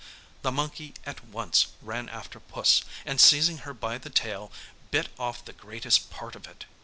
The monkey at once ran after Puss, and seizing her by the tail, bit off the greatest part of it.